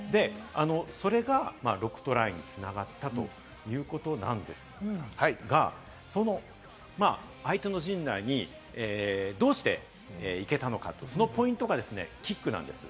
それが６トライに繋がったということなんですが、相手の陣内にどうして行けたのか、そのポイントがキックなんです。